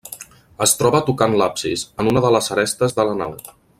Es troba tocant l'absis, en una de les arestes de la nau.